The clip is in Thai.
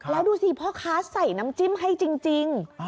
แล้วดูสิพ่อค้าใส่น้ำจิ้มให้จริง